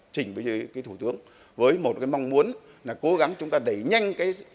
trình với thủ tướng với một mong muốn là cố gắng chúng ta đẩy nhanh